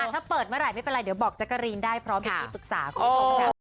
ถ้าเปิดเมื่อไหร่ไม่เป็นไรเดี๋ยวบอกแจ๊กกะรีนได้พร้อมเป็นที่ปรึกษาคุณผู้ชมค่ะ